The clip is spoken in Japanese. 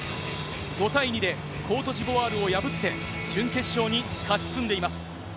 ５対２でコートジボワールを破って、準決勝に勝ち進んでいます。